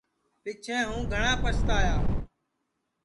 پِچھیں ہُوں گھٹؔا پستایا